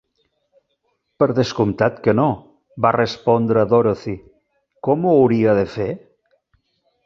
"Per descomptat que no", va respondre Dorothy; "Com ho hauria de fer?"